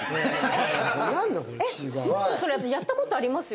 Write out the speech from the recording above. むしろそれ私やった事ありますよ